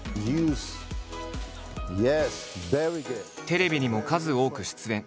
テレビにも数多く出演。